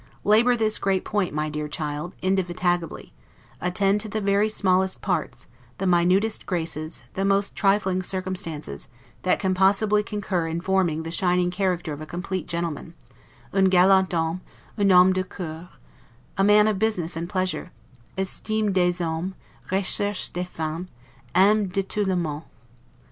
Labor this great point, my dear child, indefatigably; attend to the very smallest parts, the minutest graces, the most trifling circumstances, that can possibly concur in forming the shining character of a complete gentleman, 'un galant homme, un homme de cour', a man of business and pleasure; 'estime des hommes, recherche des femmes, aime de tout le monde'.